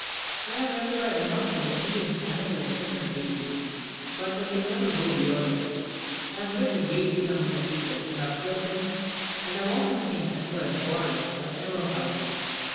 I have everywhere remarked that the Indians jangle and threaten a great deal, but that they never go beyond that. I have lived a great deal among the people and observed them, and have often seen anger and quarrelling, but never fighting.